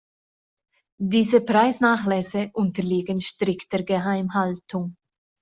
Diese Preisnachlässe „unterliegen strikter Geheimhaltung“.